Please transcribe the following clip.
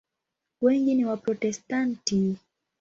Wengi ni Waprotestanti.